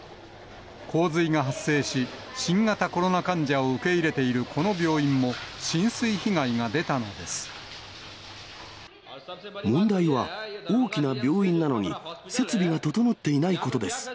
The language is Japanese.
洪水が発生し、新型コロナ患者を受け入れているこの病院も、浸水被害が出たので問題は、大きな病院なのに、設備が整っていないことです。